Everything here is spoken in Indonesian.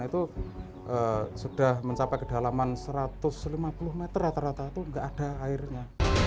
itu sudah mencapai kedalaman satu ratus lima puluh meter rata rata itu nggak ada airnya